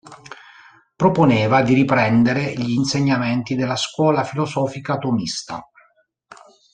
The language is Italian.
Proponeva di riprendere gli insegnamenti della scuola filosofica tomista.